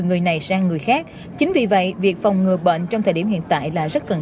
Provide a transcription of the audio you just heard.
người này sang người khác chính vì vậy việc phòng ngừa bệnh trong thời điểm hiện tại là rất cần